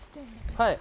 はい。